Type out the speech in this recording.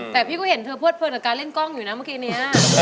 แต่พี่ก็เห็นเพลิดกับการเล่นกล้องอยู่นะเมื่อกี้เนี่ย